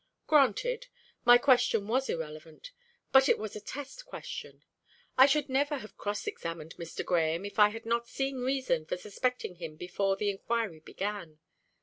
"Granted. My question was irrelevant. But it was a test question. I should never have cross examined Mr. Grahame, if I had not seen reason for suspecting him before the inquiry began.